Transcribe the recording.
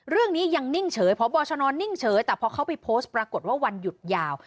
เรื่องนี้ยังนิ่งเฉยพบชนนิ่งเฉยแต่พอเขาไปโพสต์ปรากฏว่าวันหยุดยาว